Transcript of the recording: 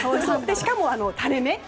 しかも垂れ目。